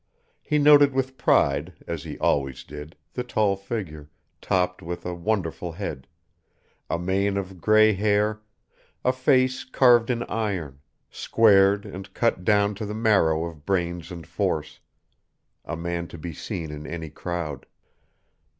He noted with pride, as he always did, the tall figure, topped with a wonderful head a mane of gray hair, a face carved in iron, squared and cut down to the marrow of brains and force a man to be seen in any crowd.